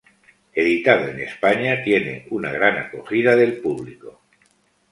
Editado en España, tiene una gran acogida del público.